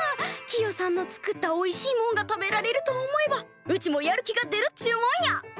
キヨさんの作ったおいしいもんが食べられると思えばうちもやる気が出るっちゅうもんや！